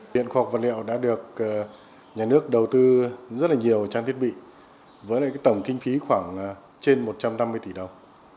viện khoa học vật liệu đã được nhà nước đầu tư rất là nhiều trang thiết bị với tổng kinh phí khoảng trên một trăm năm mươi tỷ đồng